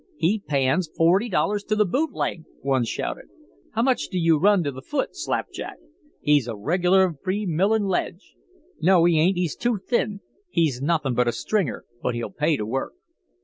"He pans forty dollars to the boot leg," one shouted. "How much do you run to the foot, Slapjack?" "He's a reg'lar free milling ledge." "No, he ain't he's too thin. He's nothing but a stringer, but he'll pay to work."